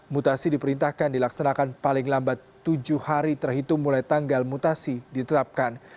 mutasi diperintahkan dilaksanakan paling lambat tujuh hari terhitung mulai tanggal mutasi ditetapkan